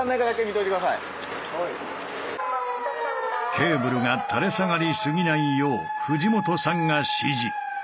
ケーブルが垂れ下がりすぎないよう藤本さんが指示。